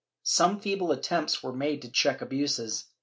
Some feeble attempts were made to check abuses.